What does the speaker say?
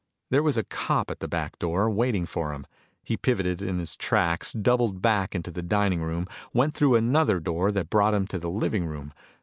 There was a cop at the back door, waiting for him. He pivoted in his tracks, doubled back into the dining room, went through another door that brought him to the living room.